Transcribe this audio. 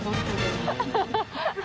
ハハハ。